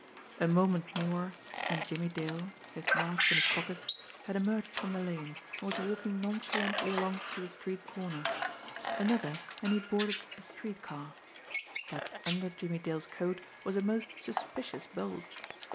A moment more, and Jimmie Dale, his mask in his pocket, had emerged from the lane, and was walking nonchalantly along to the street corner; another, and he had boarded a street car but under Jimmie Dale's coat was a most suspicious bulge.